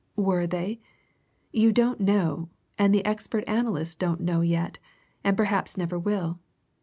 "Were they? You don't know and the expert analysts don't know yet, and perhaps never will.